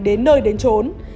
đến nơi đến trốn